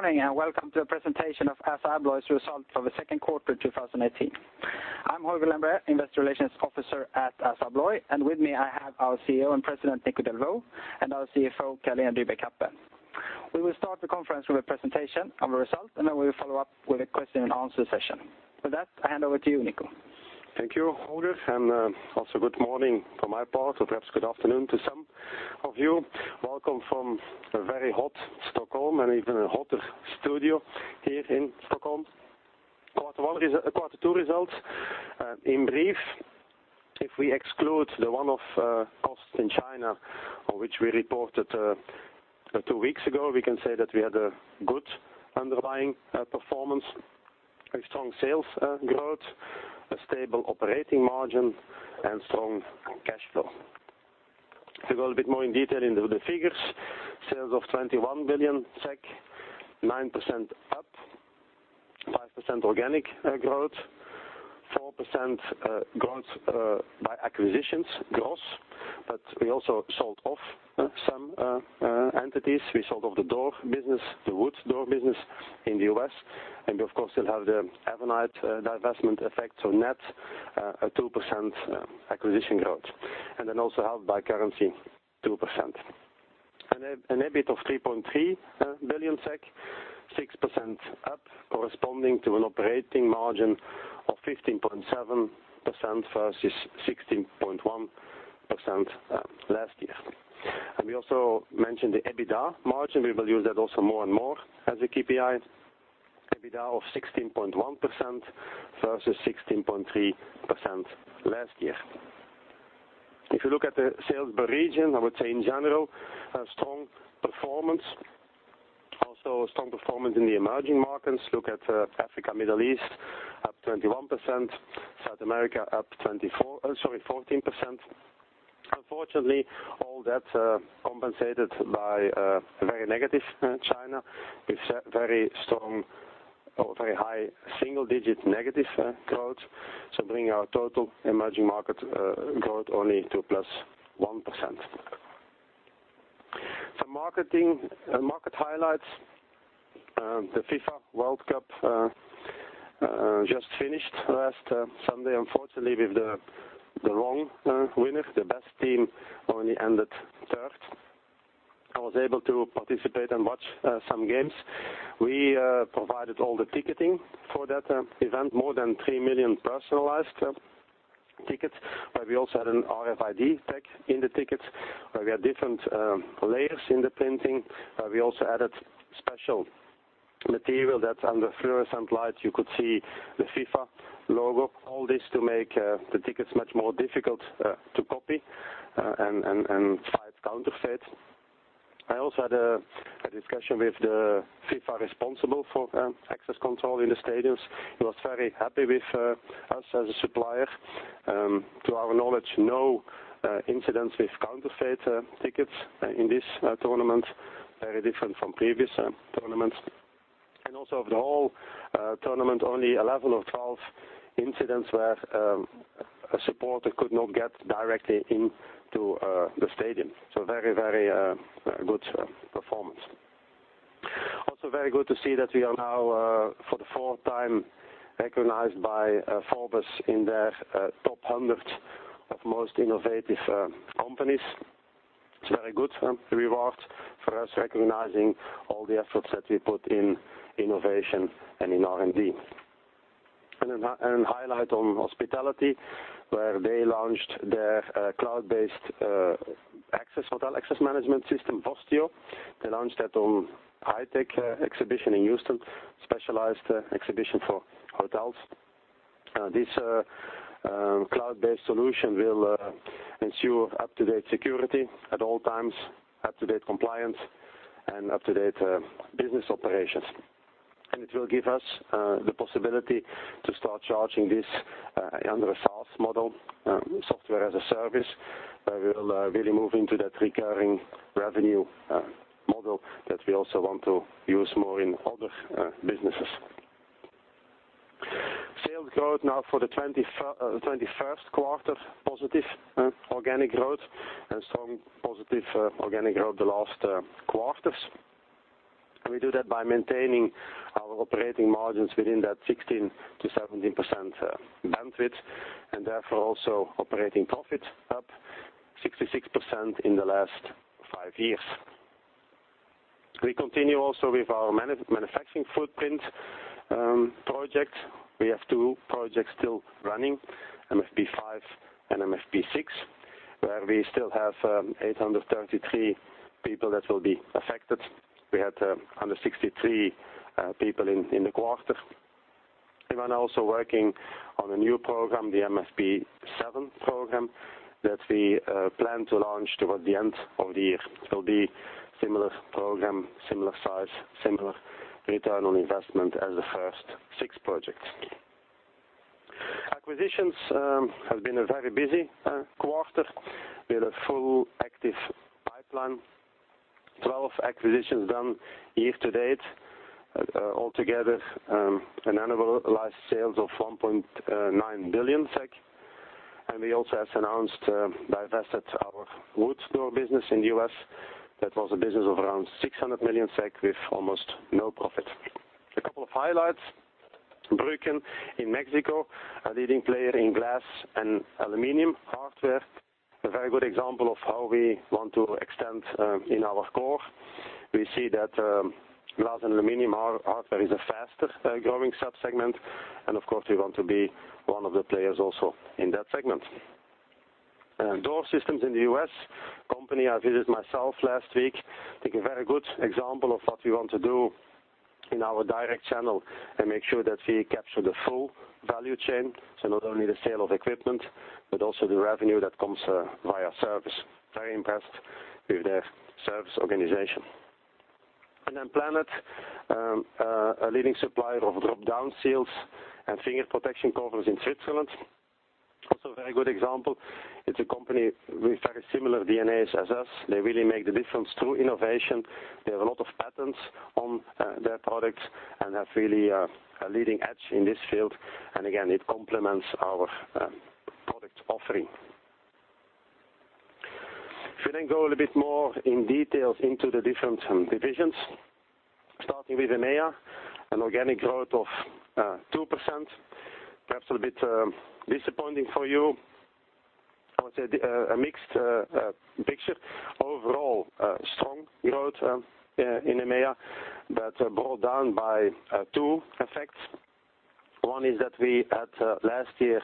Good morning, welcome to the presentation of Assa Abloy's results for the second quarter 2018. I'm Holger Lembrér, Investor Relations Officer at Assa Abloy, and with me I have our CEO and President, Nico Delvaux, and our CFO, Carolina Dybeck Happe. We will start the conference with a presentation of the results, and then we will follow up with a question and answer session. For that, I hand over to you, Nico. Thank you, Holger, and also good morning from my part, or perhaps good afternoon to some of you. Welcome from a very hot Stockholm and even a hotter studio here in Stockholm. Quite a few results. In brief, if we exclude the one-off costs in China, which we reported two weeks ago, we can say that we had a good underlying performance with strong sales growth, a stable operating margin, and strong cash flow. If you go a bit more in detail into the figures, sales of 21 billion SEK, 9% up, 5% organic growth, 4% growth by acquisitions gross. We also sold off some entities. We sold off the door business, the wood door business in the U.S., and we, of course, still have the AdvanIDe divestment effect, so net a 2% acquisition growth. Also helped by currency, 2%. An EBIT of 3.3 billion SEK, 6% up, corresponding to an operating margin of 15.7% versus 16.1% last year. We also mentioned the EBITDA margin. We will use that also more and more as a KPI. EBITDA of 16.1% versus 16.3% last year. If you look at the sales by region, I would say in general, a strong performance. Also a strong performance in the emerging markets. Look at Africa, Middle East, up 21%, South America up 14%. Unfortunately, all that compensated by a very negative China with very high single-digit negative growth. Bringing our total emerging market growth only to plus 1%. Market highlights. The FIFA World Cup just finished last Sunday, unfortunately with the wrong winner. The best team only ended third. I was able to participate and watch some games. We provided all the ticketing for that event, more than 3 million personalized tickets, where we also had an RFID tag in the tickets, where we had different layers in the printing. We also added special material that under fluorescent light you could see the FIFA logo. All this to make the tickets much more difficult to copy and fight counterfeit. I also had a discussion with the FIFA responsible for access control in the stadiums, who was very happy with us as a supplier. To our knowledge, no incidents with counterfeit tickets in this tournament, very different from previous tournaments. Over the whole tournament, only 11 or 12 incidents where a supporter could not get directly into the stadium. Very good performance. Also very good to see that we are now for the fourth time recognized by Forbes in their top 100 of most innovative companies. It's a very good reward for us, recognizing all the efforts that we put in innovation and in R&D. A highlight on Hospitality, where they launched their cloud-based hotel access management system, Vostio. They launched that on HITEC exhibition in Houston, specialized exhibition for hotels. This cloud-based solution will ensure up-to-date security at all times, up-to-date compliance, and up-to-date business operations. It will give us the possibility to start charging this under a SaaS model, Software as a Service, where we will really move into that recurring revenue model that we also want to use more in other businesses. Sales growth now for the 21st quarter, positive organic growth and strong positive organic growth the last quarters. We do that by maintaining our operating margins within that 16%-17% bandwidth, and therefore also operating profit up 66% in the last five years. We continue also with our manufacturing footprint project. We have two projects still running, MFP5 and MFP6, where we still have 833 people that will be affected. We had 163 people in the quarter. We are now also working on a new program, the MFP7 program, that we plan to launch toward the end of the year. It will be similar program, similar size, similar return on investment as the first six projects. Acquisitions have been a very busy quarter with a full active pipeline. 12 acquisitions done year to date, altogether an annualized sales of 1.9 billion SEK. We also, as announced, divested our wood door business in the U.S. That was a business of around 600 million SEK with almost no profit. A couple of highlights, Brüken in Mexico, a leading player in glass and aluminum hardware. A very good example of how we want to extend in our core. We see that glass and aluminum hardware is a faster growing sub-segment, and of course, we want to be one of the players also in that segment. Door Systems in the U.S., a company I visited myself last week, I think a very good example of what we want to do in our direct channel and make sure that we capture the full value chain. So not only the sale of equipment, but also the revenue that comes via service. Very impressed with their service organization. Planet, a leading supplier of drop-down seals and finger protection covers in Switzerland. Also, a very good example. It's a company with very similar DNA as us. They really make the difference through innovation. They have a lot of patents on their products and have really a leading edge in this field. Again, it complements our product offering. If we then go a bit more in details into the different divisions. Starting with EMEA, an organic growth of 2%, perhaps a bit disappointing for you. I would say a mixed picture. Overall, strong growth in EMEA, but brought down by two effects. One is that we had last year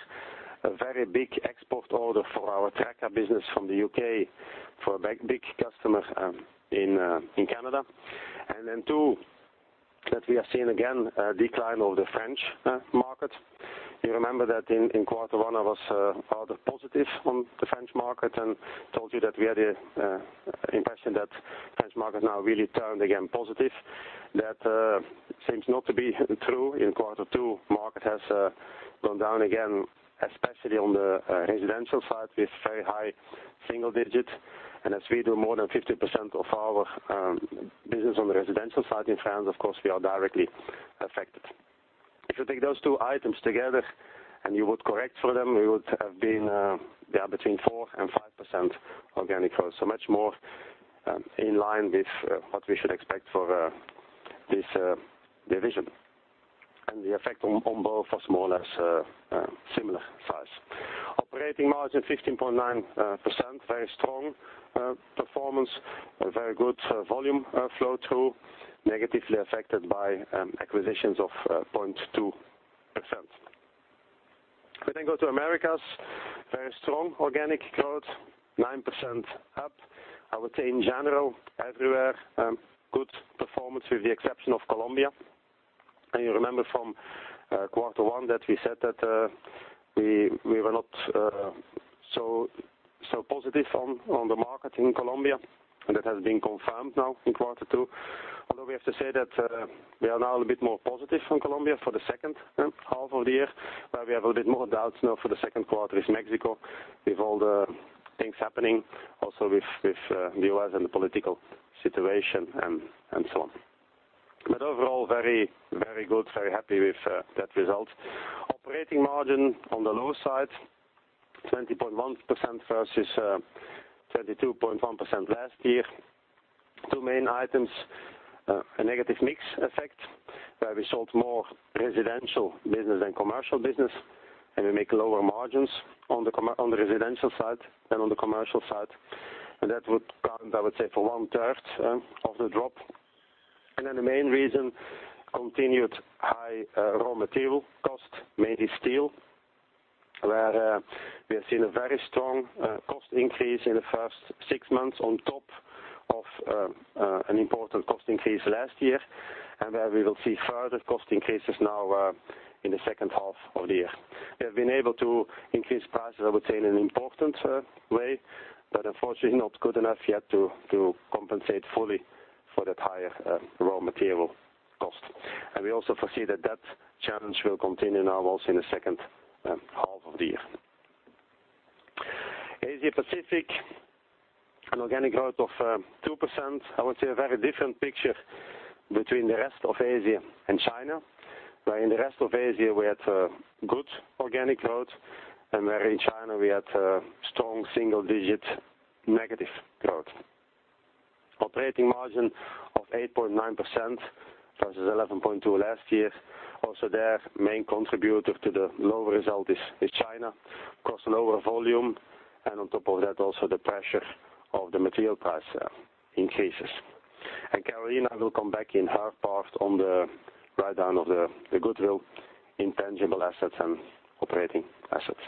a very big export order for our Traka business from the U.K. for a big customer in Canada. Then two, that we are seeing, again, a decline of the French market. You remember that in quarter one, I was rather positive on the French market and told you that we had the impression that French market now really turned again positive. That seems not to be true in quarter two. Market has gone down again, especially on the residential side, with very high single-digit. As we do more than 50% of our business on the residential side in France, of course, we are directly affected. If you take those two items together and you would correct for them, we would have been between 4% and 5% organic growth, much more in line with what we should expect for this division. The effect on both was more or less similar size. Operating margin 15.9%, very strong performance, a very good volume flow through, negatively affected by acquisitions of 0.2%. If we then go to Americas, very strong organic growth, 9% up. I would say in general, everywhere good performance with the exception of Colombia. You remember from quarter one that we said that we were not so positive on the market in Colombia, that has been confirmed now in quarter two. Although we have to say that we are now a bit more positive on Colombia for the second half of the year, where we have a bit more doubts now for the second quarter is Mexico, with all the things happening also with the U.S. and the political situation and so on. Overall, very good, very happy with that result. Operating margin on the low side, 20.1% versus 22.1% last year. Two main items, a negative mix effect where we sold more residential business than commercial business, we make lower margins on the residential side than on the commercial side. That would count, I would say, for one-third of the drop. The main reason, continued high raw material cost, mainly steel, where we have seen a very strong cost increase in the first six months on top of an important cost increase last year. Where we will see further cost increases now in the second half of the year. We have been able to increase prices, I would say, in an important way, unfortunately not good enough yet to compensate fully for that higher raw material cost. We also foresee that challenge will continue now also in the second half of the year. Asia Pacific, an organic growth of 2%. I would say a very different picture between the rest of Asia and China, where in the rest of Asia, we had good organic growth, where in China, we had strong single-digit negative growth. Operating margin of 8.9% versus 11.2% last year. Also there, main contributor to the lower result is China across lower volume, on top of that, also the pressure of the material price increases. Carolina will come back in her part on the write-down of the goodwill, intangible assets, and operating assets.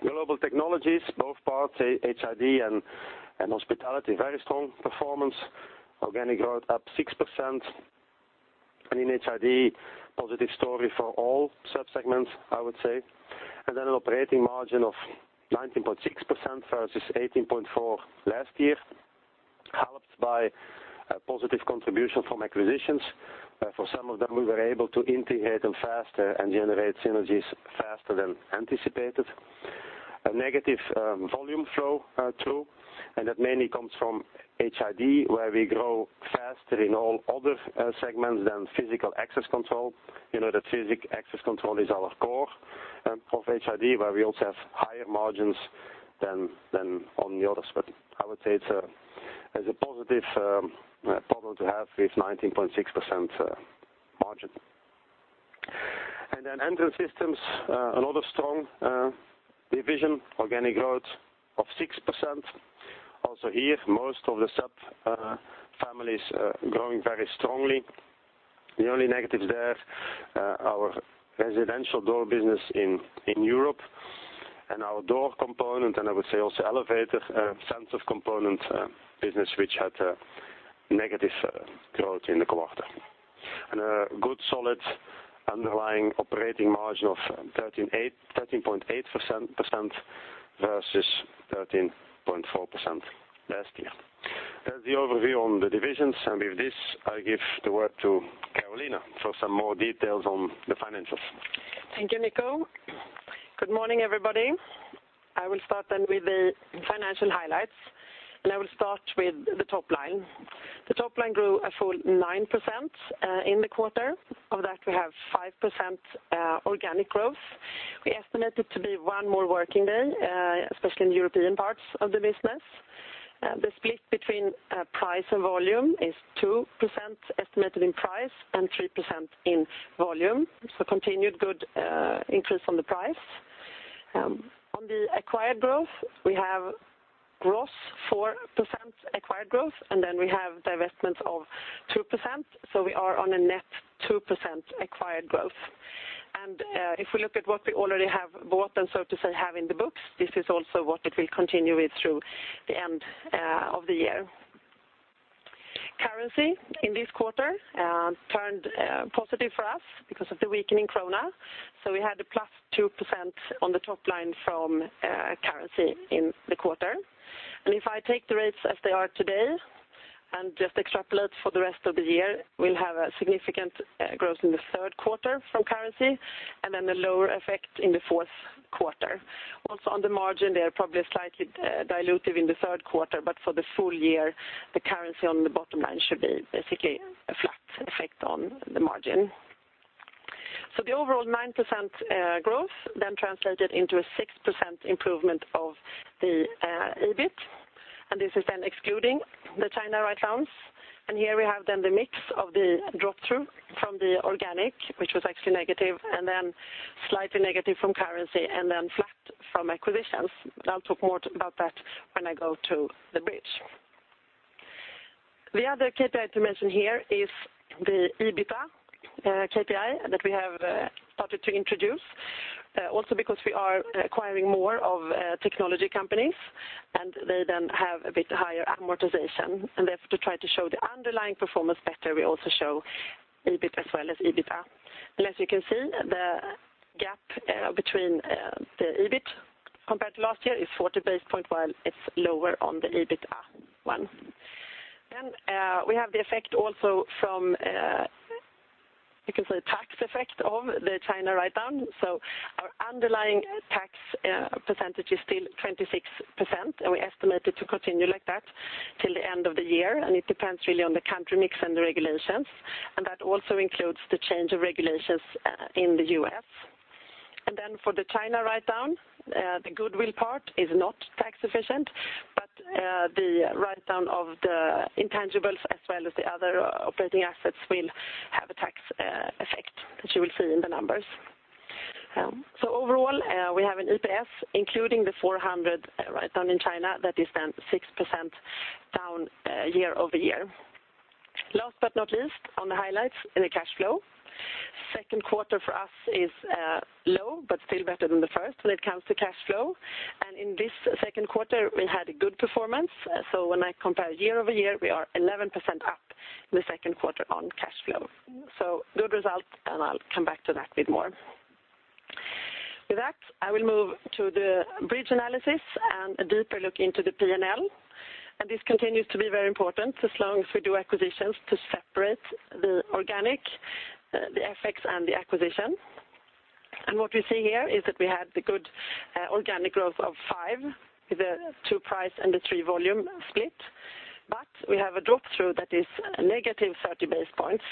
Global Technologies, both parts, HID and Hospitality, very strong performance. Organic growth up 6%, in HID, positive story for all sub-segments, I would say. An operating margin of 19.6% versus 18.4% last year, helped by a positive contribution from acquisitions. For some of them, we were able to integrate them faster and generate synergies faster than anticipated. A negative volume flow through, that mainly comes from HID, where we grow faster in all other segments than physical access control. You know that physical access control is our core of HID, where we also have higher margins than on the others. I would say it's a positive problem to have with 19.6% margin. Entrance Systems, another strong division, organic growth of 6%. Also here, most of the sub-families growing very strongly. The only negatives there, our residential door business in Europe and our door component, and I would say also elevator sensor component business, which had a negative growth in the quarter. A good solid underlying operating margin of 13.8% versus 13.4% last year. That's the overview on the divisions, and with this, I give the word to Carolina for some more details on the financials. Thank you, Nico. Good morning, everybody. I will start with the financial highlights. I will start with the top line. The top line grew a full 9% in the quarter. Of that, we have 5% organic growth. We estimate it to be one more working day, especially in European parts of the business. The split between price and volume is 2% estimated in price and 3% in volume. Continued good increase on the price. On the acquired growth, we have gross 4% acquired growth. We have divestments of 2%. We are on a net 2% acquired growth. If we look at what we already have bought and so to say, have in the books, this is also what it will continue with through the end of the year. Currency in this quarter turned positive for us because of the weakening SEK. We had a +2% on the top line from currency in the quarter. If I take the rates as they are today and just extrapolate for the rest of the year, we'll have a significant growth in the third quarter from currency, a lower effect in the fourth quarter. Also on the margin, they are probably slightly dilutive in the third quarter, but for the full year, the currency on the bottom line should be basically a flat effect on the margin. The overall 9% growth then translated into a 6% improvement of the EBIT, and this is then excluding the China write-downs. Here we have the mix of the drop-through from the organic, which was actually negative, slightly negative from currency, flat from acquisitions. I'll talk more about that when I go to the bridge. The other KPI to mention here is the EBITDA KPI that we have started to introduce. Also because we are acquiring more of technology companies, they have a bit higher amortization. To try to show the underlying performance better, we also show EBIT as well as EBITDA. As you can see, the gap between the EBIT compared to last year is 40 basis points, while it's lower on the EBITDA one. We have the effect also from, you can say, tax effect of the China write-down. Our underlying tax percentage is still 26%. We estimate it to continue like that till the end of the year. It depends really on the country mix and the regulations, and that also includes the change of regulations in the U.S. For the China write-down, the goodwill part is not tax efficient, but the write-down of the intangibles as well as the other operating assets will have a tax effect that you will see in the numbers. Overall, we have an EPS, including the 400 write-down in China, that is then 6% down year-over-year. Last but not least, on the highlights in the cash flow. Second quarter for us is low, but still better than the first when it comes to cash flow. In this second quarter, we had a good performance. When I compare year-over-year, we are 11% up in the second quarter on cash flow. Good results, and I'll come back to that a bit more. With that, I will move to the bridge analysis and a deeper look into the P&L. This continues to be very important as long as we do acquisitions to separate the organic, the FX, and the acquisition. What we see here is that we had the good organic growth of five, with the two price and the three volume split. We have a drop-through that is negative 30 basis points.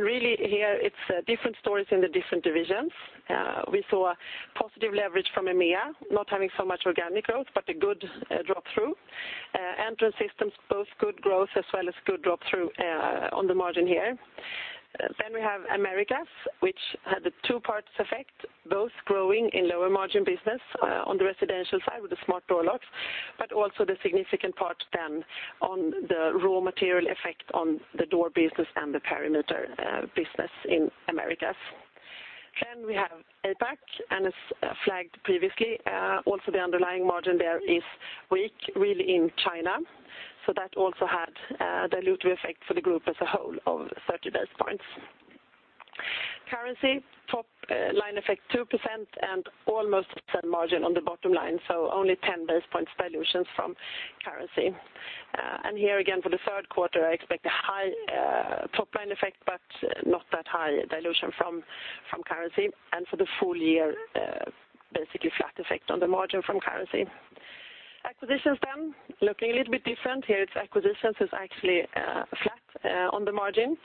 Really here, it's different stories in the different divisions. We saw positive leverage from EMEA, not having so much organic growth, but a good drop-through. Entrance Systems, both good growth as well as good drop-through on the margin here. Then we have Americas, which had the two parts effect, both growing in lower margin business on the residential side with the smart door locks, but also the significant part then on the raw material effect on the door business and the perimeter business in Americas. We have APAC, as flagged previously, also the underlying margin there is weak, really in China. That also had a dilutive effect for the group as a whole of 30 basis points. Currency, top line effect 2% and almost the same margin on the bottom line, only 10 basis points dilutions from currency. Here again, for the third quarter, I expect a high top-line effect, but not that high dilution from currency. For the full year, basically flat effect on the margin from currency. Acquisitions, looking a little bit different here. Its acquisitions is actually flat on the margin.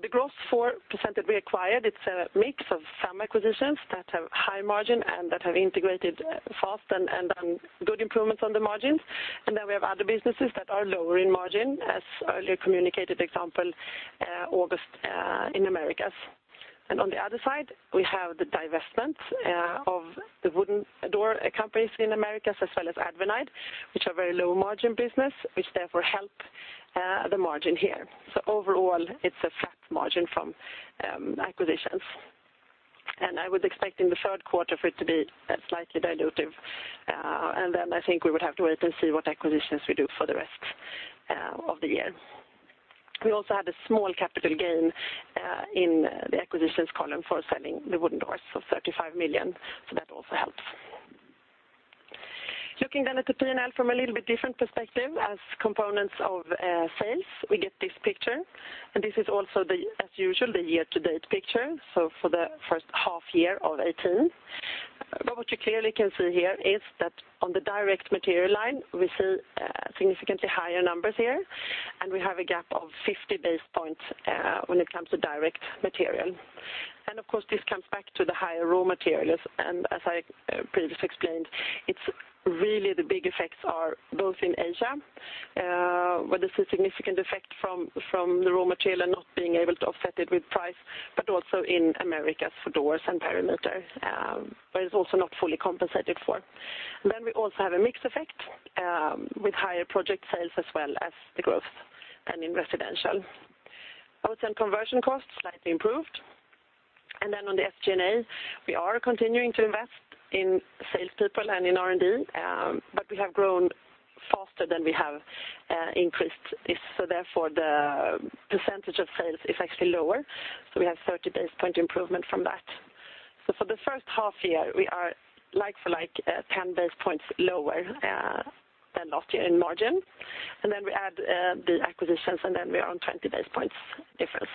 The growth 4% that we acquired, it's a mix of some acquisitions that have high margin and that have integrated fast and done good improvements on the margins. We have other businesses that are lower in margin as earlier communicated example, August in Americas. On the other side, we have the divestment of the wooden door companies in Americas as well as AdvanIDe, which are very low margin business, which therefore help the margin here. Overall, it's a flat margin from acquisitions. I would expect in the third quarter for it to be slightly dilutive. I think we would have to wait and see what acquisitions we do for the rest of the year. We also had a small capital gain in the acquisitions column for selling the wooden doors for 35 million. That also helps. Looking at the P&L from a little bit different perspective as components of sales, we get this picture. This is also, as usual, the year-to-date picture, so for the first half year of 2018. What you clearly can see here is that on the direct material line, we see significantly higher numbers here, and we have a gap of 50 basis points when it comes to direct material. Of course, this comes back to the higher raw materials. As I previously explained, it is really the big effects are both in Asia, where there is a significant effect from the raw material not being able to offset it with price, but also in Americas for doors and perimeter where it is also not fully compensated for. We also have a mix effect with higher project sales as well as the growth and in residential. I would say conversion costs slightly improved. On the SG&A, we are continuing to invest in salespeople and in R&D, but we have grown faster than we have increased this. Therefore the percentage of sales is actually lower. We have 30 basis point improvement from that. For the first half year, we are like for like 10 basis points lower than last year in margin. We add the acquisitions, and then we are on 20 basis points difference.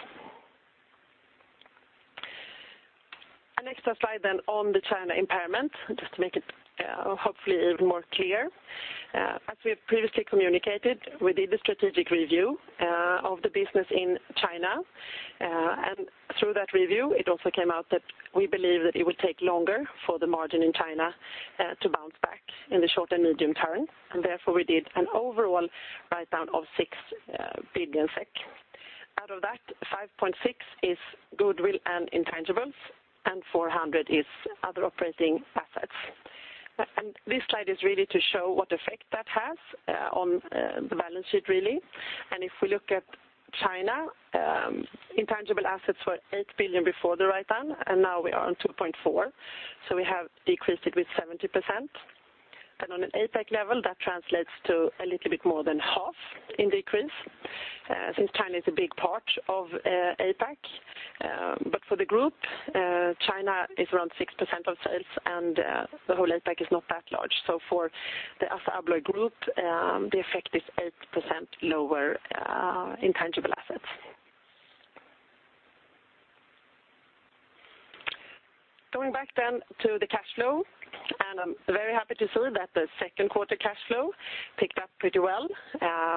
An extra slide on the China impairment, just to make it hopefully even more clear. We have previously communicated, we did the strategic review of the business in China. Through that review, it also came out that we believe that it will take longer for the margin in China to bounce back in the short and medium term. Therefore we did an overall write down of 6 billion SEK. Out of that, 5.6 billion is goodwill and intangibles, and 400 million is other operating assets. This slide is really to show what effect that has on the balance sheet, really. If we look at China, intangible assets were 8 billion before the write down, and now we are on 2.4 billion. We have decreased it with 70%. On an APAC level, that translates to a little bit more than half in decrease, since China is a big part of APAC. For the group, China is around 6% of sales, and the whole APAC is not that large. For the Assa Abloy group, the effect is 8% lower intangible assets. Going back to the cash flow, I am very happy to see that the second quarter cash flow picked up pretty well.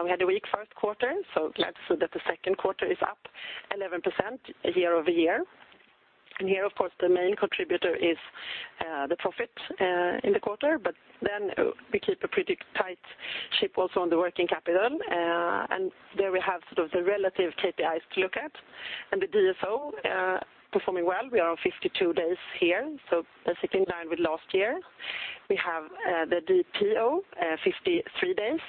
We had a weak first quarter. Glad to see that the second quarter is up 11% year-over-year. Here, of course, the main contributor is the profit in the quarter, but we keep a pretty tight ship also on the working capital. There we have sort of the relative KPIs to look at. The DSO performing well. We are on 52 days here, basically in line with last year. We have the DPO, 53 days.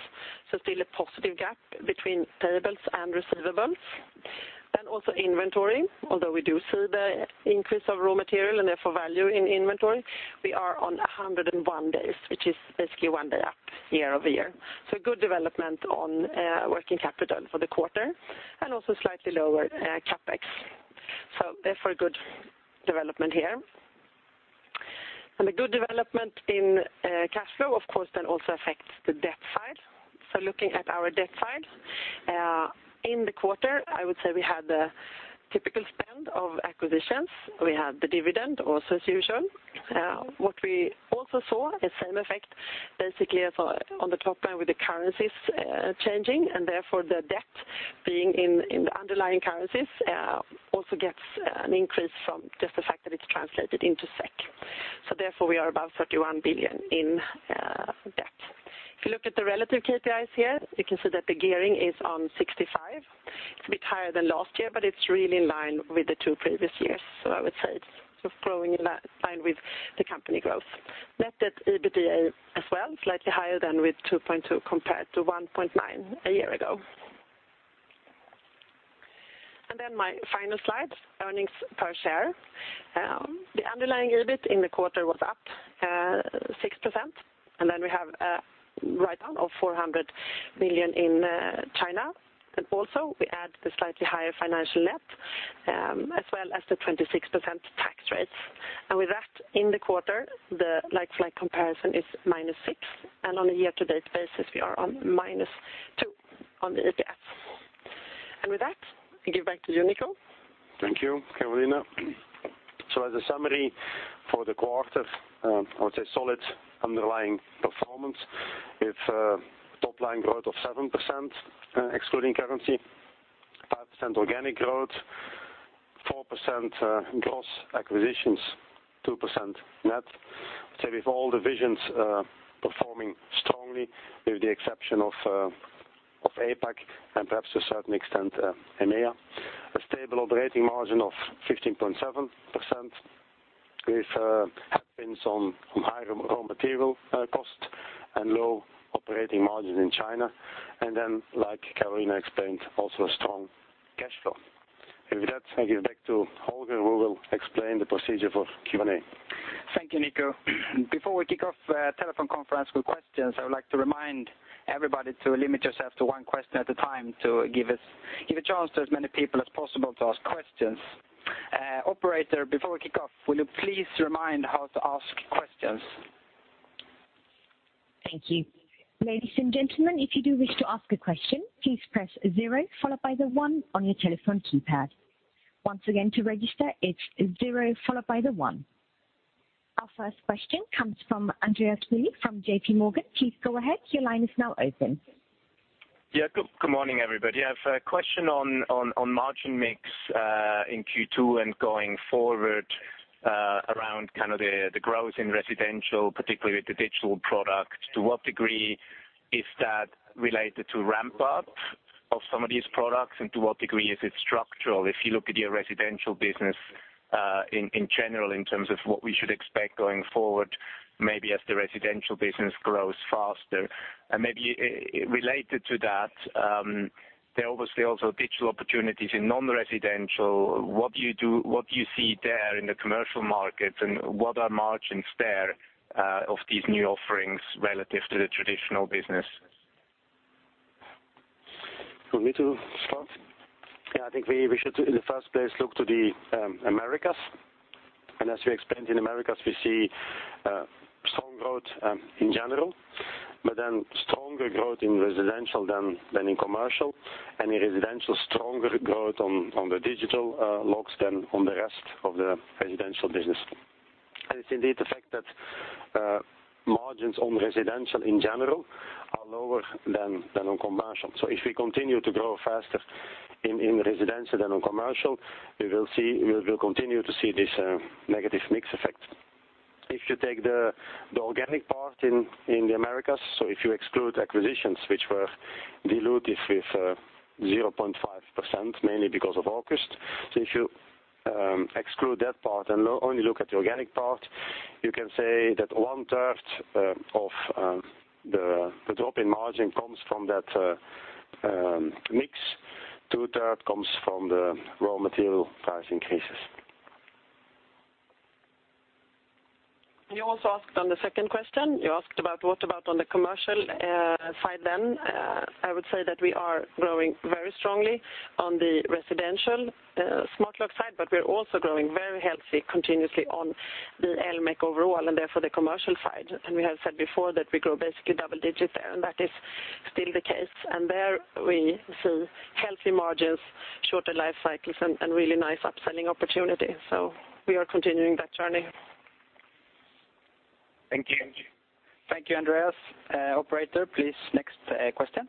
Still a positive gap between payables and receivables. Also inventory, although we do see the increase of raw material and therefore value in inventory, we are on 101 days, which is basically one day up year-over-year. Good development on working capital for the quarter, and also slightly lower CapEx. Therefore good development here. The good development in cash flow, of course, then also affects the debt side. Looking at our debt side, in the quarter, I would say we had the typical spend of acquisitions. We had the dividend also as usual. What we also saw, the same effect basically as on the top line with the currencies changing, and therefore the debt being in the underlying currencies also gets an increase from just the fact that it's translated into SEK. Therefore we are above 31 billion in debt. If you look at the relative KPIs here, you can see that the gearing is on 65%. It's a bit higher than last year, but it's really in line with the two previous years. I would say it's sort of growing in line with the company growth. Net debt EBITDA as well, slightly higher than with 2.2 compared to 1.9 a year ago. My final slide, earnings per share. The underlying EBIT in the quarter was up 6%. We have a write down of 400 million in China. Also we add the slightly higher financial net, as well as the 26% tax rates. With that, in the quarter, the like-for-like comparison is minus 6%, and on a year-to-date basis, we are on minus 2% on the EPS. With that, I give back to you, Nico. Thank you, Carolina. As a summary for the quarter, I would say solid underlying performance with top line growth of 7%, excluding currency, 5% organic growth, 4% gross acquisitions, 2% net. I would say with all divisions performing strongly, with the exception of APAC and perhaps to a certain extent, EMEA. A stable operating margin of 15.7% with headwinds on higher raw material cost and low operating margin in China. Like Carolina explained, also a strong cash flow. With that, I give back to Holger, who will explain the procedure for Q&A. Thank you, Nico. Before we kick off the telephone conference with questions, I would like to remind everybody to limit yourself to one question at a time to give a chance to as many people as possible to ask questions. Operator, before we kick off, will you please remind how to ask questions? Thank you. Ladies and gentlemen, if you do wish to ask a question, please press zero followed by the one on your telephone keypad. Once again, to register it's zero followed by the one. Our first question comes from Andreas Lee from JP Morgan. Please go ahead. Your line is now open. Yeah. Good morning, everybody. I have a question on margin mix, in Q2 and going forward, around the growth in residential, particularly with the digital product. To what degree is that related to ramp up of some of these products, and to what degree is it structural? If you look at your residential business in general in terms of what we should expect going forward, maybe as the residential business grows faster. Maybe related to that, there are obviously also digital opportunities in non-residential. What do you see there in the commercial markets, and what are margins there of these new offerings relative to the traditional business? You want me to start? Yeah, I think we should in the first place look to the Americas. As we explained, in Americas we see strong growth, in general, but then stronger growth in residential than in commercial, and in residential stronger growth on the digital locks than on the rest of the residential business. It's indeed the fact that margins on residential in general are lower than on commercial. If we continue to grow faster in residential than on commercial, we will continue to see this negative mix effect. If you take the organic part in the Americas, if you exclude acquisitions which were dilutive with 0.5%, mainly because of August. If you exclude that part and only look at the organic part, you can say that one-third of the drop in margin comes from that mix, two-third comes from the raw material price increases. You also asked on the second question, you asked about what about on the commercial side then. I would say that we are growing very strongly on the residential smart lock side, but we are also growing very healthy continuously on the electromechanical overall, and therefore the commercial side. We have said before that we grow basically double digits there, and that is still the case. There we see healthy margins, shorter life cycles, and really nice upselling opportunities. We are continuing that journey. Thank you. Thank you, Andreas. Operator, please, next question.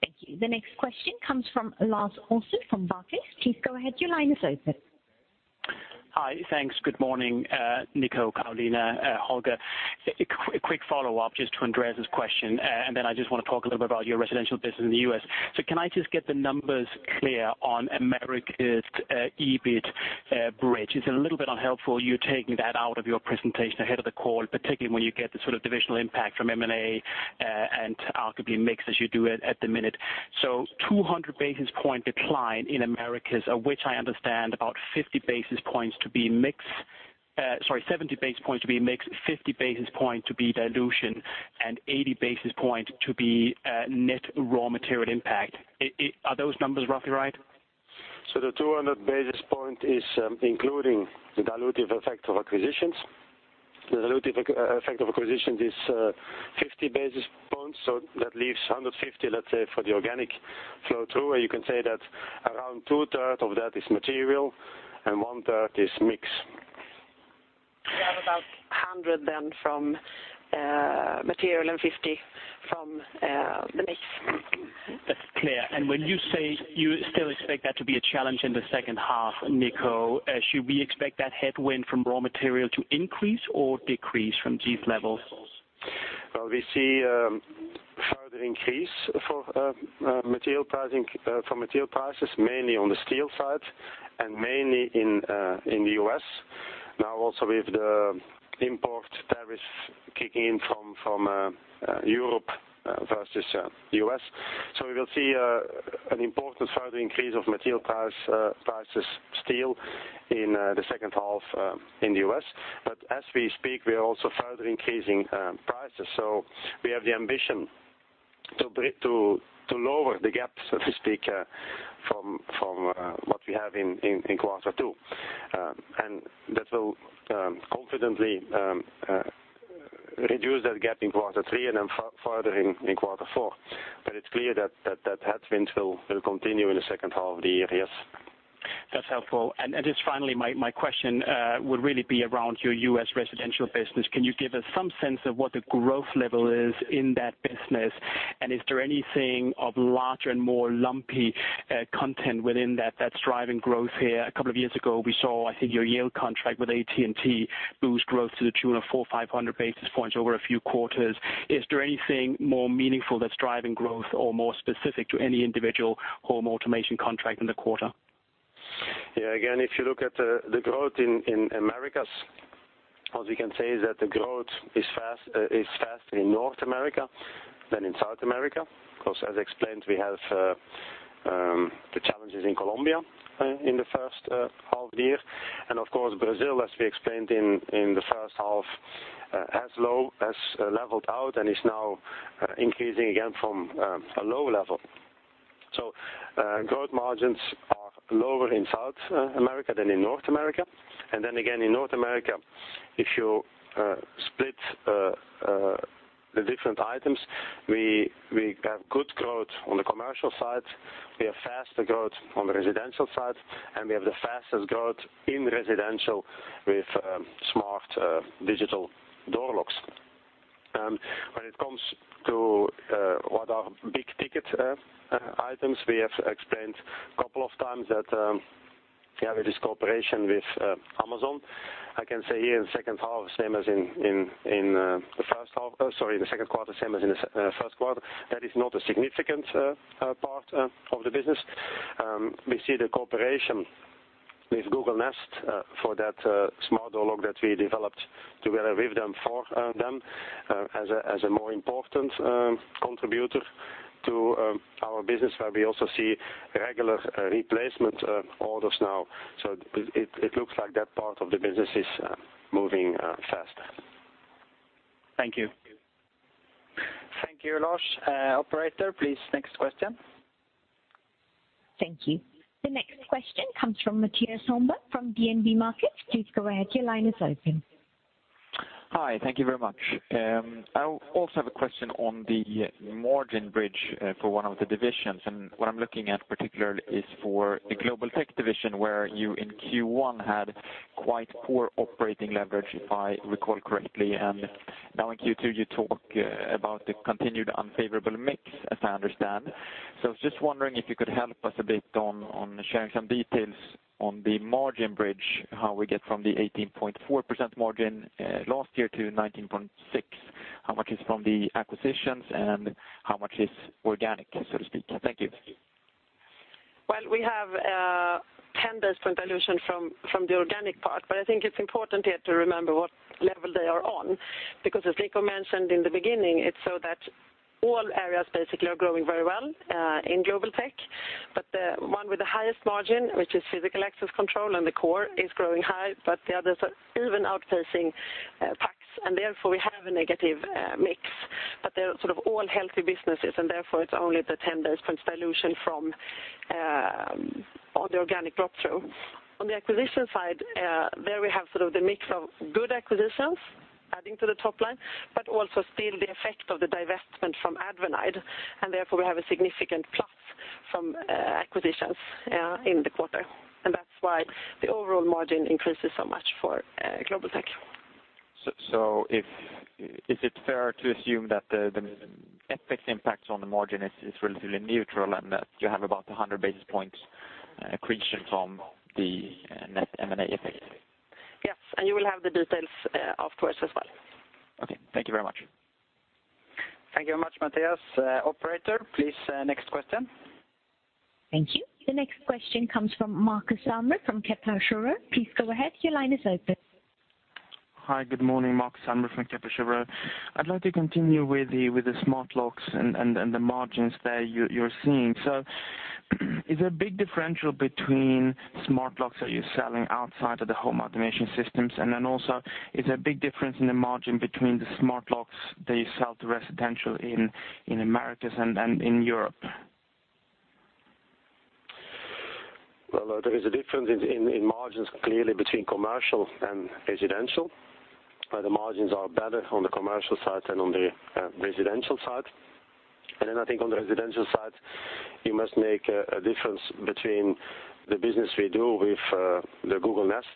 Thank you. The next question comes from Lars Brorson from Barclays. Please go ahead. Your line is open. Hi. Thanks. Good morning, Nico, Carolina, Holger. A quick follow-up just to Andreas Koski's question, and then I just want to talk a little bit about your residential business in the U.S. Can I just get the numbers clear on Americas EBIT bridge? It's a little bit unhelpful you taking that out of your presentation ahead of the call, particularly when you get the sort of divisional impact from M&A and arguably mix as you do at the minute. 200 basis points decline in Americas, of which I understand about 50 basis points to be mix, sorry, 70 basis points to be mix, 50 basis points to be dilution, and 80 basis points to be net raw material impact. Are those numbers roughly right? The 200 basis points is including the dilutive effect of acquisitions. The dilutive effect of acquisitions is 50 basis points, so that leaves 150, let's say, for the organic flow through. You can say that around two-thirds of that is material and one-third is mix. We have about 100 then from material and 50 from the mix. That's clear. When you say you still expect that to be a challenge in the second half, Nico, should we expect that headwind from raw material to increase or decrease from these levels? We see further increase for material prices mainly on the steel side and mainly in the U.S. Now also with the import tariffs kicking in from Europe versus U.S. We will see an important further increase of material prices steel in the second half in the U.S. As we speak, we are also further increasing prices. We have the ambition to lower the gap, so to speak, from what we have in quarter two. That will confidently reduce that gap in quarter three and then further in quarter four. It's clear that headwinds will continue in the second half of the year, yes. That's helpful. Just finally, my question would really be around your U.S. residential business. Can you give us some sense of what the growth level is in that business? Is there anything of larger and more lumpy content within that that's driving growth here? A couple of years ago, we saw, I think, your Yale contract with AT&T boost growth to the tune of 400 or 500 basis points over a few quarters. Is there anything more meaningful that's driving growth or more specific to any individual home automation contract in the quarter? Again, if you look at the growth in Americas, what we can say is that the growth is faster in North America than in South America. As explained, we have the challenges in Colombia in the first half of the year. Of course, Brazil, as we explained in the first half, has leveled out and is now increasing again from a low level. Growth margins are lower in South America than in North America. Then again, in North America, if you split the different items, we have good growth on the commercial side, we have faster growth on the residential side, and we have the fastest growth in residential with smart digital door locks. When it comes to what are big-ticket items, we have explained a couple of times that we have this cooperation with Amazon. I can say here in the second quarter, same as in the first quarter, that is not a significant part of the business. We see the cooperation with Google Nest for that smart door lock that we developed together with them, for them, as a more important contributor to our business, where we also see regular replacement orders now. It looks like that part of the business is moving faster. Thank you. Thank you, Lars. Operator, please, next question. Thank you. The next question comes from Mattias Holmberg from DNB Markets. Please go ahead. Your line is open. Hi. Thank you very much. I also have a question on the margin bridge for one of the divisions, what I'm looking at particularly is for the Global Technologies division, where you in Q1 had quite poor operating leverage, if I recall correctly. Now in Q2, you talk about the continued unfavorable mix, as I understand. I was just wondering if you could help us a bit on sharing some details on the margin bridge, how we get from the 18.4% margin last year to 19.6%. How much is from the acquisitions and how much is organic, so to speak? Thank you. We have a 10 basis points dilution from the organic part, I think it's important here to remember what level they are on, because as Nico mentioned in the beginning, it's so that all areas basically are growing very well in Global Technologies, but the one with the highest margin, which is physical access control and the core, is growing high, but the others are even outpacing PACS, therefore we have a negative mix. They're sort of all healthy businesses, and therefore it's only the 10 basis points dilution from all the organic drop-through. On the acquisition side, there we have sort of the mix of good acquisitions adding to the top line, but also still the effect of the divestment from AdvanIDe, and therefore we have a significant plus from acquisitions in the quarter. That's why the overall margin increases so much for Global Technologies. Is it fair to assume that the FX impacts on the margin is relatively neutral and that you have about 100 basis points accretion from the net M&A effect? Yes, you will have the details afterwards as well. Okay. Thank you very much. Thank you very much, Mattias. Operator, please next question. Thank you. The next question comes from Markus Almerud from Kepler Cheuvreux. Please go ahead. Your line is open. Hi, good morning. Markus Almerud from Kepler Cheuvreux. I'd like to continue with the smart locks and the margins there you're seeing. Is there a big differential between smart locks that you're selling outside of the home automation systems? Also, is there a big difference in the margin between the smart locks that you sell to residential in Americas and in Europe? There is a difference in margins clearly between commercial and residential, where the margins are better on the commercial side than on the residential side. I think on the residential side, you must make a difference between the business we do with the Google Nest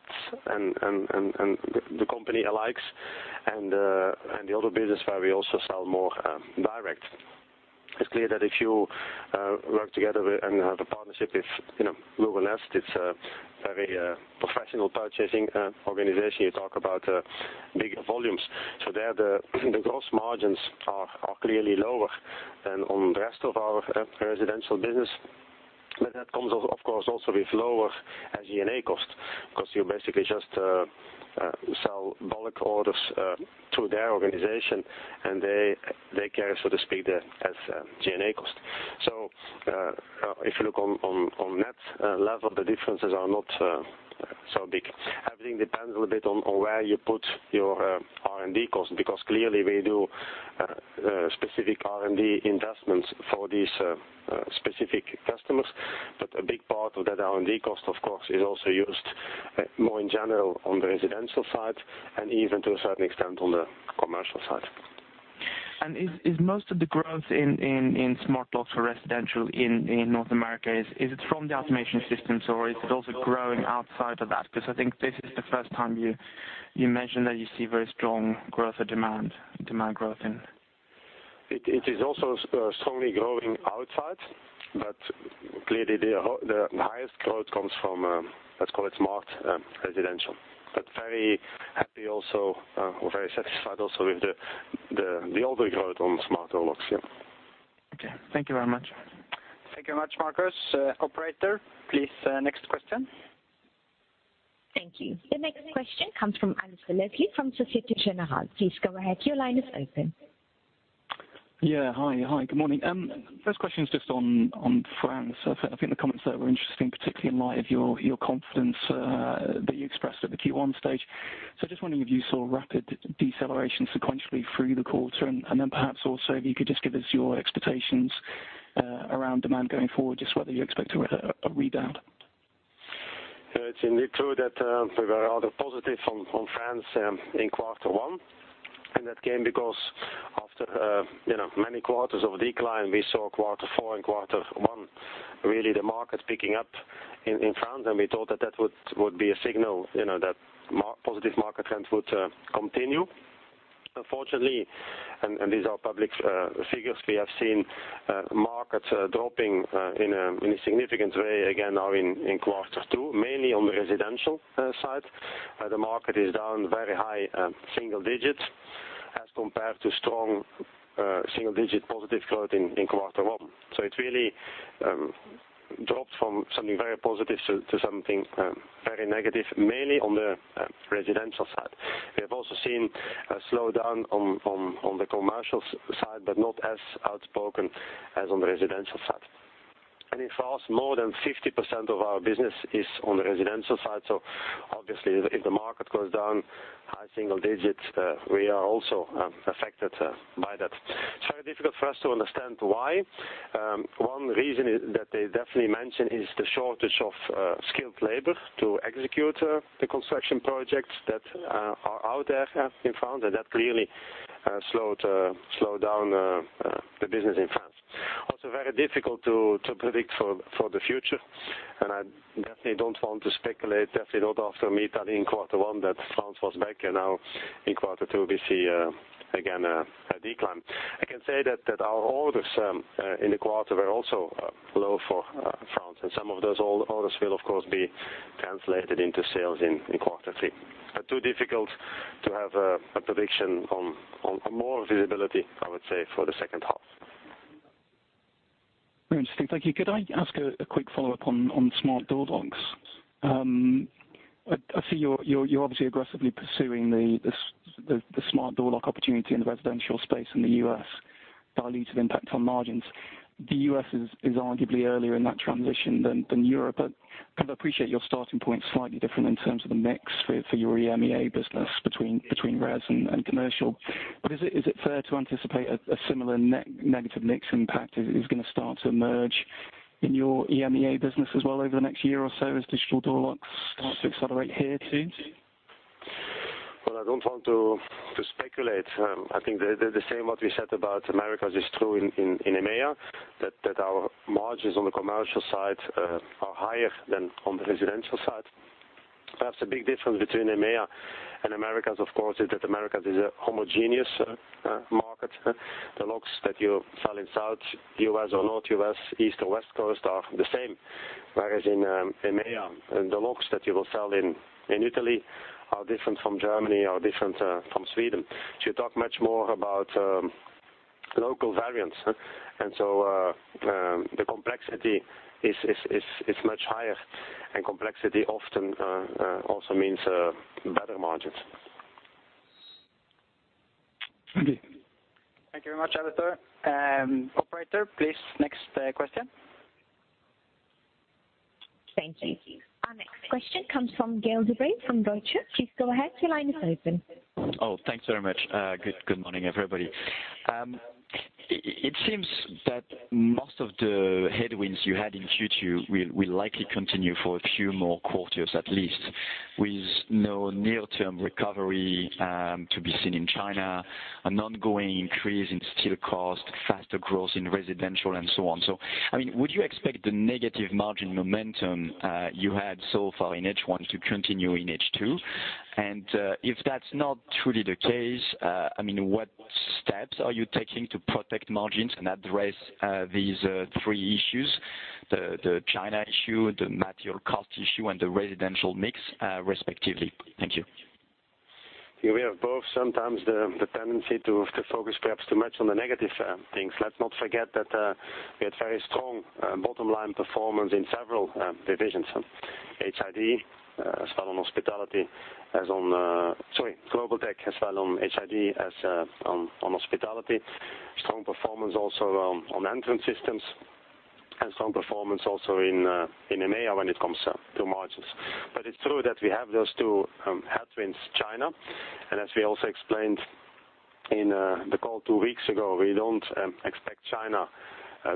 and the company alikes and the other business where we also sell more direct. It's clear that if you work together and have a partnership with Google Nest, it's a very professional purchasing organization. You talk about bigger volumes. There the gross margins are clearly lower than on the rest of our residential business. That comes, of course, also with lower SG&A cost because you basically just sell bulk orders through their organization, and they carry, so to speak, the SG&A cost. If you look on net level, the differences are not so big. Everything depends a bit on where you put your R&D cost, because clearly we do specific R&D investments for these specific customers. A big part of that R&D cost, of course, is also used more in general on the residential side and even to a certain extent, on the commercial side. Is most of the growth in smart locks for residential in North America, is it from the automation systems or is it also growing outside of that? Because I think this is the first time you mentioned that you see very strong growth or demand growth in. It is also strongly growing outside, clearly the highest growth comes from, let's call it smart residential, very happy also, or very satisfied also with the older growth on smarter locks. Yeah. Okay. Thank you very much. Thank you very much, Markus. Operator, please next question. Thank you. The next question comes from Alasdair Leslie from Societe Generale. Please go ahead. Your line is open. Yeah. Hi, good morning. First question is just on France. I think the comments there were interesting, particularly in light of your confidence that you expressed at the Q1 stage. Just wondering if you saw rapid deceleration sequentially through the quarter, then perhaps also if you could just give us your expectations around demand going forward, just whether you expect a rebound. It's indeed true that we were rather positive on France in quarter one. That came because after many quarters of decline, we saw quarter four and quarter one, really the market picking up in France, and we thought that that would be a signal that positive market trend would continue. Unfortunately, these are public figures, we have seen markets dropping in a significant way again now in quarter two, mainly on the residential side. The market is down very high single digits as compared to strong single-digit positive growth in quarter one. It really dropped from something very positive to something very negative, mainly on the residential side. We have also seen a slowdown on the commercial side, but not as outspoken as on the residential side. In France, more than 50% of our business is on the residential side. if the market goes down high single digits, we are also affected by that. It's very difficult for us to understand why. One reason that they definitely mention is the shortage of skilled labor to execute the construction projects that are out there in France, and that clearly slowed down the business in France. Also very difficult to predict for the future, and I definitely don't want to speculate, definitely not after meeting in Q1 that France was back and now in Q2 we see again a decline. I can say that our orders in the quarter were also low for France, and some of those orders will of course, be translated into sales in Q3. Too difficult to have a prediction on more visibility, I would say for the second half. Very interesting. Thank you. Could I ask a quick follow-up on smart door locks? I see you're obviously aggressively pursuing the smart door lock opportunity in the residential space in the U.S. dilutive impact on margins. The U.S. is arguably earlier in that transition than Europe, but kind of appreciate your starting point slightly different in terms of the mix for your EMEA business between res and commercial. Is it fair to anticipate a similar negative mix impact is going to start to emerge in your EMEA business as well over the next year or so as digital door locks start to accelerate here too? Well, I don't want to speculate. I think the same what we said about Americas is true in EMEA, that our margins on the commercial side are higher than on the residential side. Perhaps a big difference between EMEA and Americas, of course, is that Americas is a homogeneous market. The locks that you sell in South U.S. or North U.S., East or West Coast are the same. Whereas in EMEA, the locks that you will sell in Italy are different from Germany, are different from Sweden. You talk much more about local variants. The complexity is much higher and complexity often also means better margins. Thank you. Thank you very much, Alasdair. Operator, please next question. Thank you. Our next question comes from Gael de-Bray from Rothschild. Please go ahead. Your line is open. Thanks very much. Good morning, everybody. It seems that most of the headwinds you had in Q2 will likely continue for a few more quarters at least, with no near-term recovery to be seen in China, an ongoing increase in steel cost, faster growth in residential and so on. Would you expect the negative margin momentum you had so far in H1 to continue in H2? If that's not truly the case, what steps are you taking to protect margins and address these three issues, the China issue, the material cost issue and the residential mix respectively? Thank you. We have both sometimes the tendency to focus perhaps too much on the negative things. Let's not forget that we had very strong bottom-line performance in several divisions. HID as well on Hospitality as on Global Technologies as well on HID as on Hospitality. Strong performance also on Entrance Systems and strong performance also in EMEA when it comes to margins. It's true that we have those two headwinds, China, and as we also explained in the call two weeks ago, we don't expect China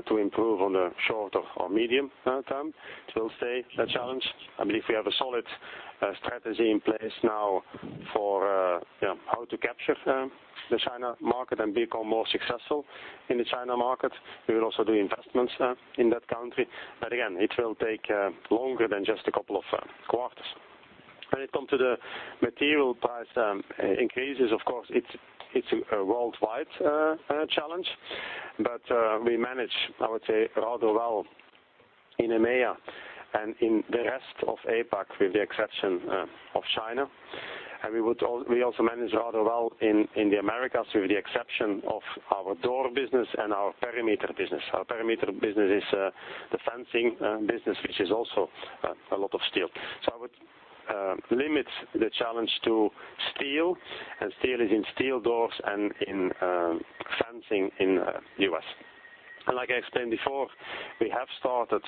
to improve on the short or medium term. It will stay a challenge. I believe we have a solid strategy in place now for how to capture the China market and become more successful in the China market. We will also do investments in that country. Again, it will take longer than just a couple of quarters. When it comes to the material price increases, of course, it's a worldwide challenge, but we manage, I would say, rather well in EMEA and in the rest of APAC, with the exception of China. We also manage rather well in the Americas, with the exception of our door business and our perimeter business. Our perimeter business is the fencing business, which is also a lot of steel. I would limit the challenge to steel, and steel is in steel doors and in fencing in the U.S. Like I explained before, we have started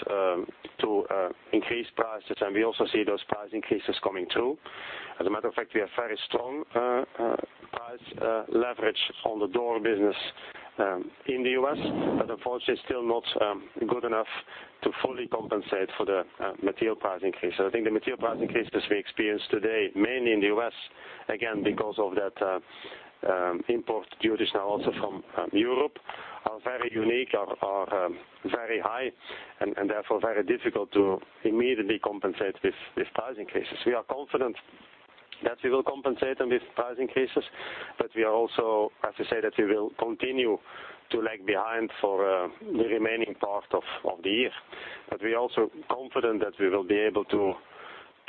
to increase prices, and we also see those price increases coming through. As a matter of fact, we have very strong price leverage on the door business in the U.S., but unfortunately still not good enough to fully compensate for the material price increase. I think the material price increases we experience today, mainly in the U.S., again, because of that import duties now also from Europe, are very unique, are very high, and therefore very difficult to immediately compensate with price increases. We are confident that we will compensate on these price increases, but we are also, I have to say, that we will continue to lag behind for the remaining part of the year. We are also confident that we will be able to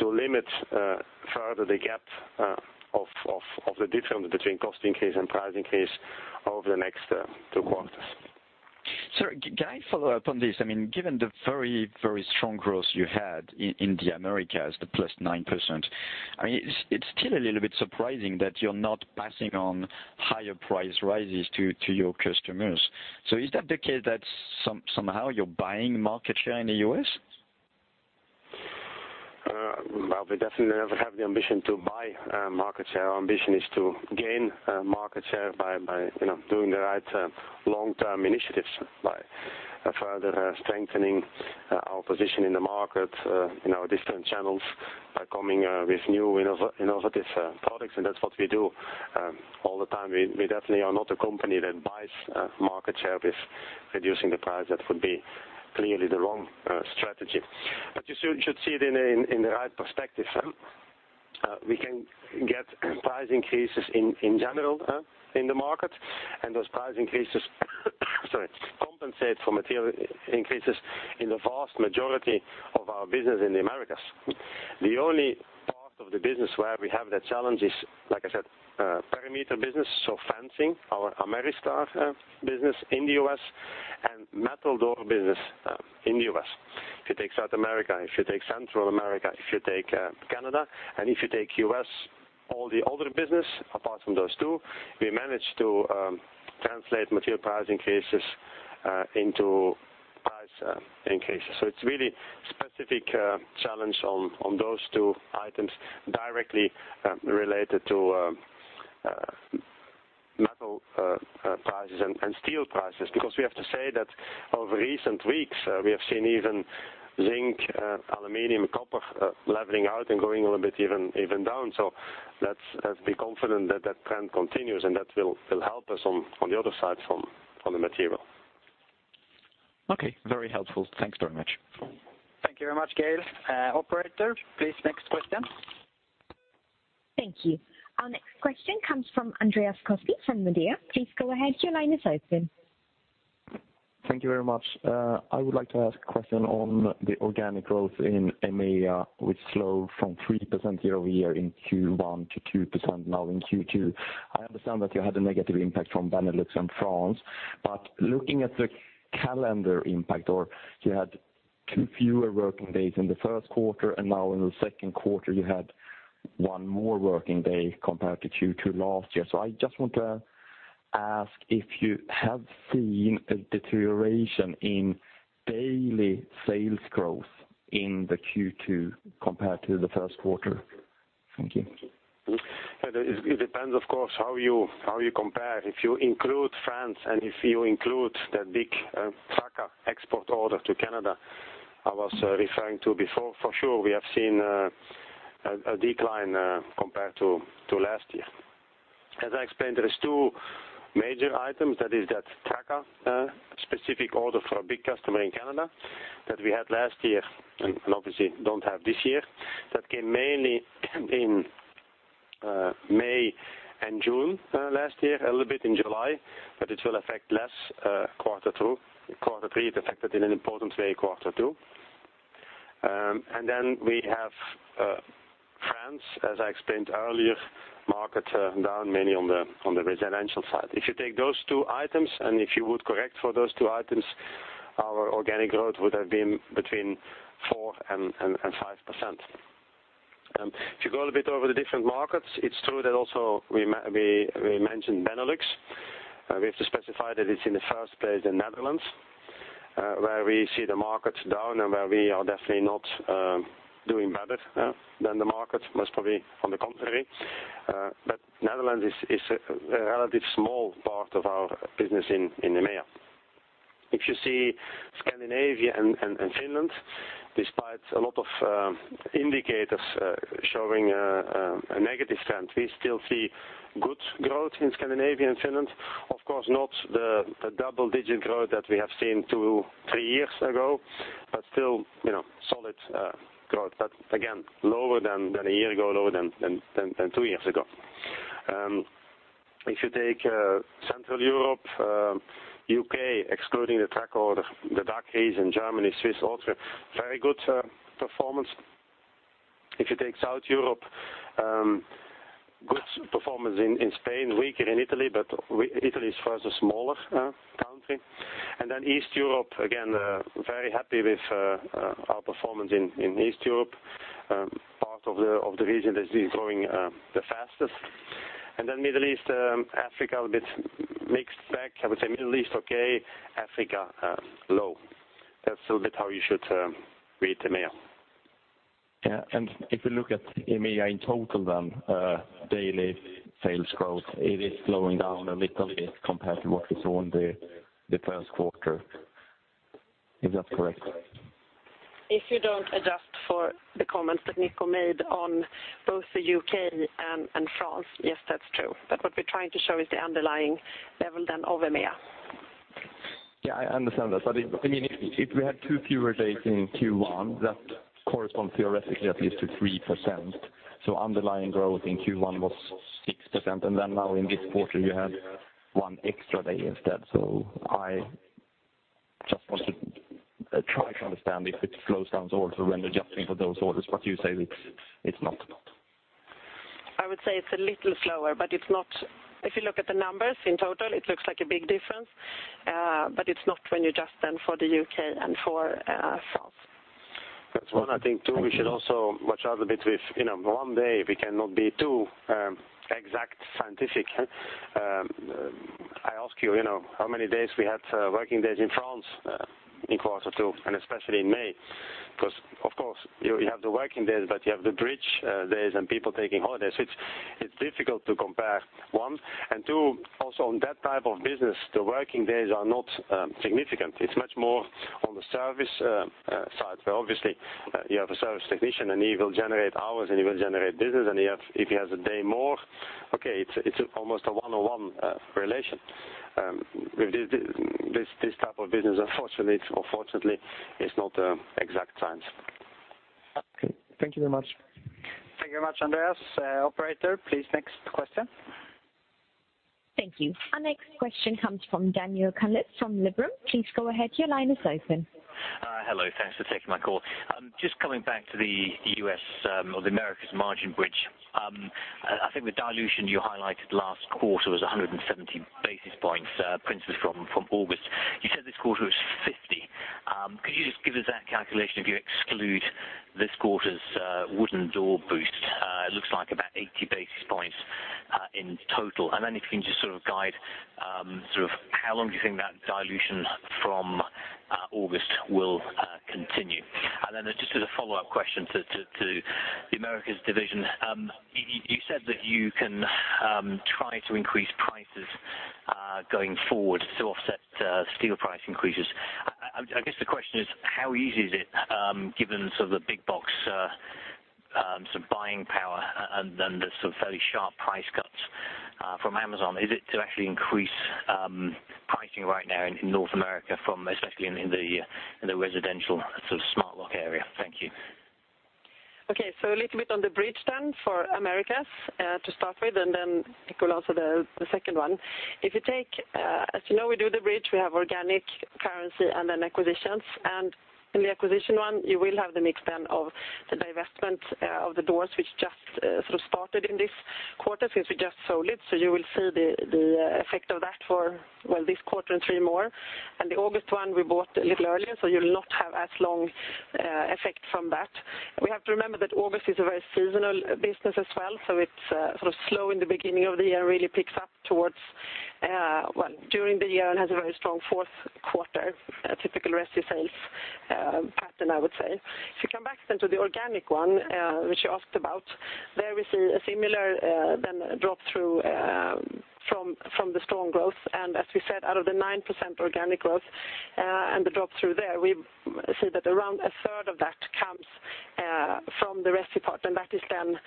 limit further the gap of the difference between cost increase and price increase over the next two quarters. Sir, can I follow up on this? Given the very strong growth you had in the Americas, the plus 9%, it's still a little bit surprising that you're not passing on higher price rises to your customers. Is that the case that somehow you're buying market share in the U.S.? Well, we definitely never have the ambition to buy market share. Our ambition is to gain market share by doing the right long-term initiatives, by further strengthening our position in the market in our different channels, by coming with new innovative products, and that's what we do all the time. We definitely are not a company that buys market share with reducing the price. That would be clearly the wrong strategy. You should see it in the right perspective. We can get price increases in general in the market, and those price increases compensate for material increases in the vast majority of our business in the Americas. The only part of the business where we have that challenge is, like I said, perimeter business, so fencing, our Ameristar business in the U.S., and metal door business in the U.S. If you take South America, if you take Central America, if you take Canada, and if you take U.S., all the other business, apart from those two, we managed to translate material price increases into price increases. It is really specific challenge on those two items directly related to metal prices and steel prices. We have to say that over recent weeks, we have seen even zinc, aluminum, copper leveling out and going a little bit even down. Let us be confident that trend continues, and that will help us on the other side from the material. Okay. Very helpful. Thanks very much. Thank you very much, Gael. Operator, please, next question. Thank you. Our next question comes from Andreas Koski from Nordea. Please go ahead. Your line is open. Thank you very much. I would like to ask a question on the organic growth in EMEA, which slowed from 3% year-over-year in Q1 to 2% now in Q2. I understand that you had a negative impact from Benelux and France, but looking at the calendar impact, or you had two fewer working days in the first quarter, and now in the second quarter, you had one more working day compared to Q2 last year. I just want to ask if you have seen a deterioration in daily sales growth in the Q2 compared to the first quarter. Thank you. It depends, of course, how you compare. If you include France and if you include that big Traka export order to Canada I was referring to before, for sure, we have seen a decline compared to last year. As I explained, there is two major items, that is that Traka specific order for a big customer in Canada that we had last year and obviously don't have this year. That came mainly in May and June last year, a little bit in July, but it will affect less quarter two. Quarter three, it affected in an important way quarter two. We have France, as I explained earlier, market down mainly on the residential side. If you take those two items, and if you would correct for those two items, our organic growth would have been between 4% and 5%. If you go a bit over the different markets, it's true that also we mentioned Benelux. We have to specify that it's in the first place in Netherlands, where we see the markets down and where we are definitely not doing better than the market, most probably on the contrary. Netherlands is a relatively small part of our business in EMEA. If you see Scandinavia and Finland, despite a lot of indicators showing a negative trend, we still see good growth in Scandinavia and Finland. Of course, not the double-digit growth that we have seen two, three years ago, but still solid growth. Again, lower than a year ago, lower than two years ago. If you take Central Europe, U.K., excluding the Traka order, the dark days in Germany, Swiss, Austria, very good performance. If you take South Europe, good performance in Spain, weaker in Italy, but Italy is, first, a smaller country. East Europe, again, very happy with our performance in East Europe. Part of the region that is growing the fastest. Middle East, Africa, a bit mixed bag. I would say Middle East okay, Africa low. That's a little bit how you should read EMEA. Yeah. If you look at EMEA in total, then daily sales growth, it is slowing down a little bit compared to what we saw in the first quarter. Is that correct? If you don't adjust for the comments that Nico made on both the U.K. and France, yes, that's true. What we're trying to show is the underlying level then of EMEA. Yeah, I understand that. If we had two fewer days in Q1, that corresponds theoretically at least to 3%. Underlying growth in Q1 was 6%, now in this quarter, you had one extra day instead. I just want to try to understand if it slows down also when adjusting for those orders. You say it's not. I would say it's a little slower, but if you look at the numbers in total, it looks like a big difference. It's not when you adjust then for the U.K. and for France. That's one. I think, two, we should also watch out a bit with one day, we cannot be too exact scientific. I ask you how many days we had working days in France in quarter two, and especially in May. Of course, you have the working days, but you have the bridge days and people taking holidays. It's difficult to compare, one. Two, also on that type of business, the working days are not significant. It's much more on the service side, where obviously you have a service technician, and he will generate hours, and he will generate business. If he has a day more, okay, it's almost a one-on-one relation. With this type of business, unfortunately or fortunately, it's not exact science. Okay. Thank you very much. Thank you very much, Andreas. Operator, please next question. Thank you. Our next question comes from Daniel Kulitz from Liberum. Please go ahead. Your line is open. Hello. Thanks for taking my call. Just coming back to the U.S. or the Americas margin bridge. I think the dilution you highlighted last quarter was 170 basis points from August. You said this quarter was 50. Could you just give us that calculation if you exclude this quarter's wooden door boost? It looks like about 80 basis points in total. If you can just sort of guide how long do you think that dilution from August will continue? Just as a follow-up question to the Americas division. You said that you can try to increase prices going forward to offset steel price increases. I guess the question is how easy is it given sort of the big box buying power and then the sort of fairly sharp price cuts from Amazon, is it to actually increase pricing right now in North America from especially in the residential sort of smart lock area? Thank you. Okay. A little bit on the bridge then for Americas to start with. It will answer the second one. As you know, we do the bridge, we have organic currency and then acquisitions. In the acquisition one, you will have the mix then of the divestment of the doors, which just sort of started in this quarter since we just sold it. You will see the effect of that for, well, this quarter and three more. The August one we bought a little earlier. You'll not have as long effect from that. We have to remember that August is a very seasonal business as well. It's sort of slow in the beginning of the year, really picks up towards, well, during the year and has a very strong fourth quarter, a typical resi sales pattern, I would say. If you come back then to the organic one, which you asked about, there we see a similar then drop through from the strong growth. As we said, out of the 9% organic growth and the drop through there, we see that around a third of that comes from the resi part. That is then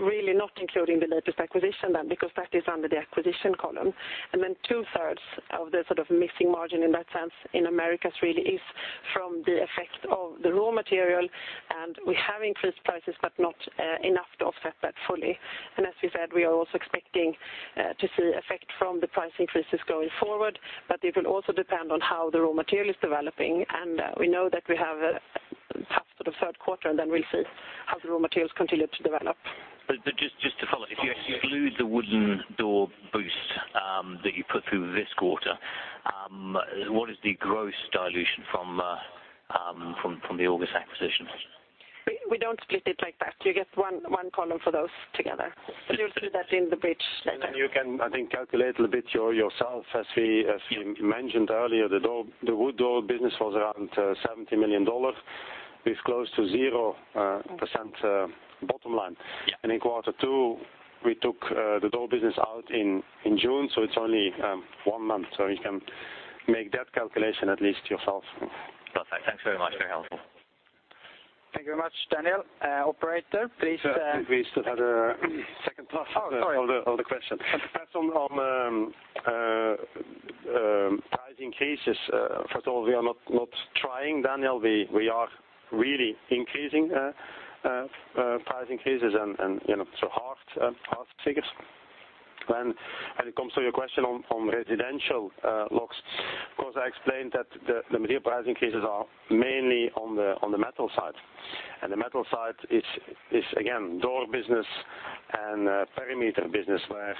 really not including the latest acquisition then, because that is under the acquisition column. Two-thirds of the sort of missing margin in that sense in Americas really is from the effect of the raw material, and we have increased prices, but not enough to offset that fully. As we said, we are also expecting to see effect from the price increases going forward, but it will also depend on how the raw material is developing. We know that we have For the third quarter. Then we'll see how the raw materials continue to develop. Just to follow. If you exclude the wooden door boost that you put through this quarter, what is the gross dilution from the August acquisition? We don't split it like that. You get one column for those together. We will do that in the bridge later. You can, I think, calculate a little bit yourself. As we mentioned earlier, the wood door business was around SEK 70 million, with close to 0% bottom line. Yeah. In quarter two, we took the door business out in June, so it's only one month. You can make that calculation at least yourself. Perfect. Thanks very much. Very helpful. Thank you very much, Daniel. Operator, please. I think we still have a second part. Sorry. Perhaps on price increases. First of all, we are not trying, Daniel, we are really increasing price increases and so half the figures. When it comes to your question on residential locks, of course, I explained that the material price increases are mainly on the metal side. The metal side is again, door business and perimeter business, where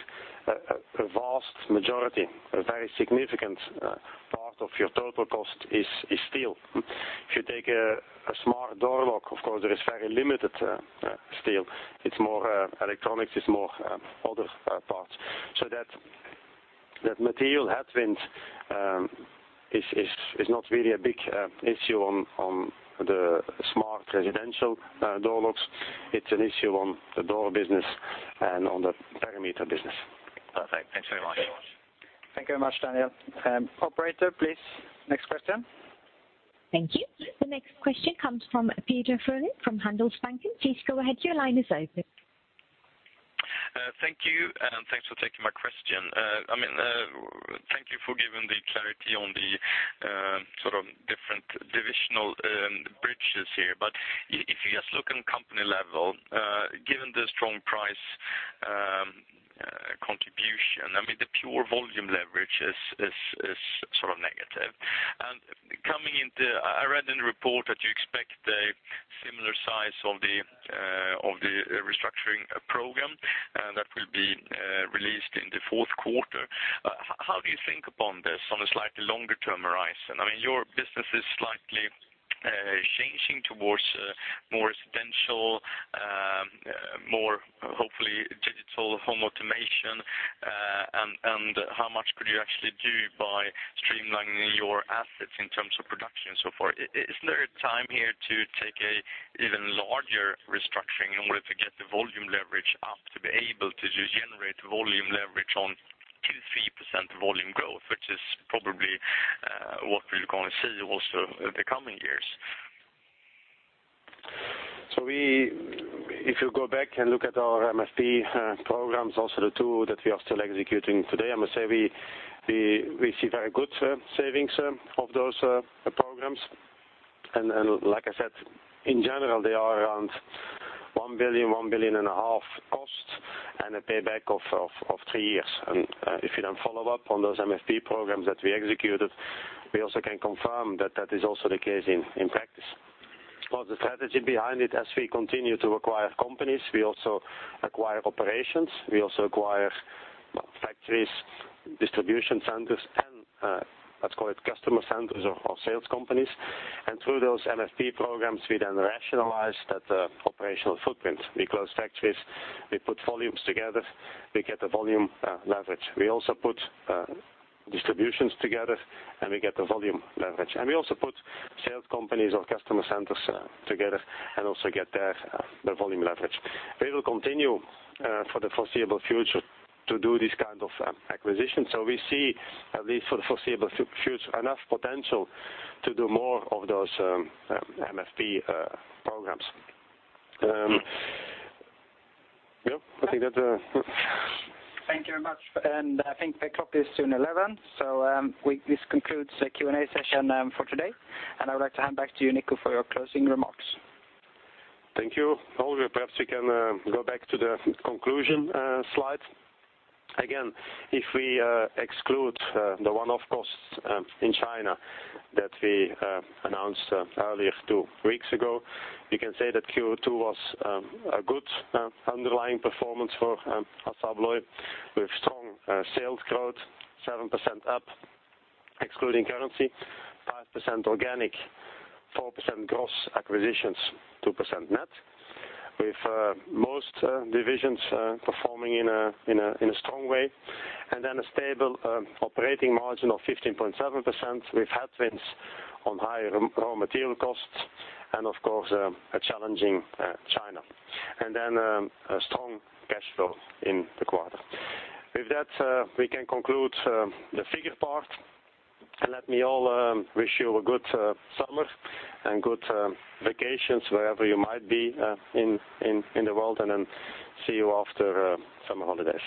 a vast majority, a very significant part of your total cost is steel. If you take a smart door lock, of course, there is very limited steel. It's more electronics, it's more other parts. That material headwind is not really a big issue on the smart residential door locks. It's an issue on the door business and on the perimeter business. Perfect. Thanks very much. Thank you very much, Daniel. Operator, please, next question. Thank you. The next question comes from Peder Frölén from Handelsbanken. Please go ahead. Your line is open. Thank you, thanks for taking my question. Thank you for giving the clarity on the different divisional bridges here. If you just look on company level, given the strong price contribution, the pure volume leverage is negative. I read in the report that you expect a similar size of the restructuring program that will be released in the fourth quarter. How do you think upon this on a slightly longer term horizon? Your business is slightly changing towards more residential, more, hopefully, digital home automation. How much could you actually do by streamlining your assets in terms of production and so forth? Isn't there a time here to take an even larger restructuring in order to get the volume leverage up to be able to just generate volume leverage on 2%, 3% volume growth? Which is probably what we're going to see also in the coming years. If you go back and look at our MFP programs, also the two that we are still executing today, I must say, we see very good savings of those programs. Like I said, in general, they are around 1 billion, 1.5 billion cost and a payback of three years. If you then follow up on those MFP programs that we executed, we also can confirm that that is also the case in practice. The strategy behind it, as we continue to acquire companies, we also acquire operations. We also acquire factories, distribution centers, and let's call it customer centers or sales companies. Through those MFP programs, we then rationalize that operational footprint. We close factories, we put volumes together, we get the volume leverage. We also put distributions together, and we get the volume leverage. We also put sales companies or customer centers together and also get there the volume leverage. We will continue for the foreseeable future to do this kind of acquisition. We see at least for the foreseeable future, enough potential to do more of those MFP programs. Thank you very much. I think the clock is soon 11, so this concludes the Q&A session for today. I would like to hand back to you, Nico, for your closing remarks. Thank you. Holger, perhaps you can go back to the conclusion slide. Again, if we exclude the one-off costs in China that we announced earlier two weeks ago, we can say that Q2 was a good underlying performance for Assa Abloy with strong sales growth, 7% up excluding currency, 5% organic, 4% gross acquisitions, 2% net, with most divisions performing in a strong way, then a stable operating margin of 15.7% with headwinds on higher raw material costs and of course, a challenging China. Then a strong cash flow in the quarter. With that, we can conclude the figure part. Let me all wish you a good summer and good vacations wherever you might be in the world, then see you after summer holidays.